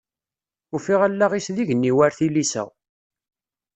Ufiɣ allaɣ-is d igenni war tilisa.